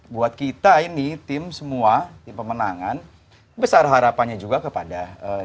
buat kita ini tim semua tim pemenangan besar harapannya juga kepada caimin